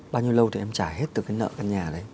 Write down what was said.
bao nhiêu lâu thì em trả hết từ cái nợ căn nhà đấy